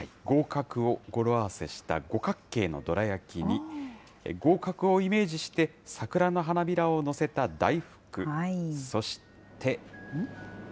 合格を語呂合わせした五角形のどら焼きに、合格をイメージして桜の花びらを載せた大福、そして。